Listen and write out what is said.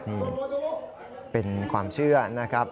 นี่เป็นความเชื่อนะครับ